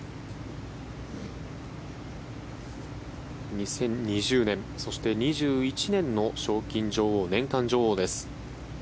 ２０２０年そして、２１年の賞金女王年間女王です。